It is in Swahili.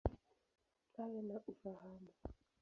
Awe na ufahamu.